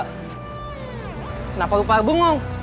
kenapa lu parah bongong